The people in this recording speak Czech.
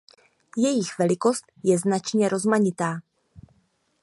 Jejich velikost je značně rozmanitá.